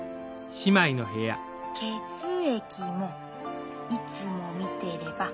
「血液もいつも見てれば怖くない」。